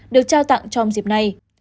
được trao tặng trong dịp này